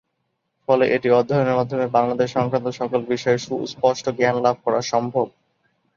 ফলে এটি অধ্যয়নের মাধ্যমে বাংলাদেশ সংক্রান্ত সকল বিষয়ে সুস্পষ্ট জ্ঞান লাভ করা সম্ভব।